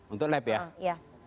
untuk lab ya